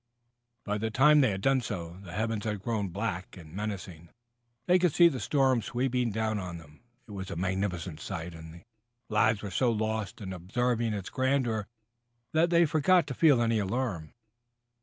By the time they had done so, the heavens had grown black and menacing. They could see the storm sweeping down on them. It was a magnificent sight, and the lads were so lost in observing its grandeur that they forgot to feel any alarm.